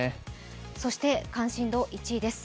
そして関心度１位です。